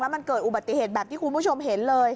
มันเกิดอุบัติเหตุแบบที่คุณผู้ชมเห็นเลย